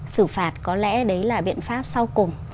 xử phạt có lẽ đấy là biện pháp sau cùng